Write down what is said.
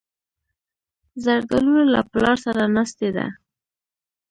زردالو له پلار سره ناستې ده.